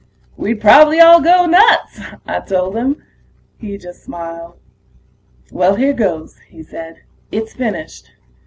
"We'd probably all go nuts!" I told him. He just smiled. "Well, here goes," he said. "It's finished.